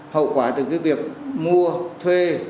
hậu quả từ việc mua thuê